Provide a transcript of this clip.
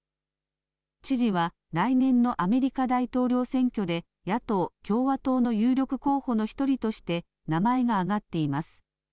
知事は来年のアメリカ大統領選挙で野党・共和党の有力候補の１人として名前が挙がっています。